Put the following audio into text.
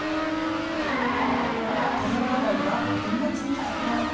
トロロアオイは粉末に加工。